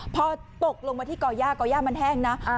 พอตกลงมาที่ก่อย่าก่อย่ามันแห้งนะ